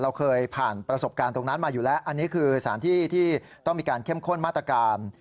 เราเคยผ่านประสบการณ์ตรงนั้นมาอยู่แล้วอันนี้คือสถานที่ที่ต้องมีการเข้มข้นมาตรการ